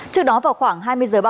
trước đó vào khoảng hai mươi giờ